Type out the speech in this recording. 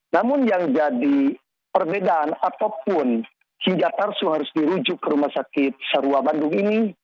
namun yang jadi perbedaan ataupun hingga parsu harus dirujuk ke rumah sakit sarwa bandung ini